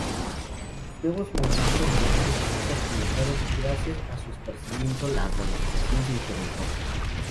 Nuevos movimientos religiosos budistas comenzaron y gracias a su esparcimiento la alfabetización se incrementó.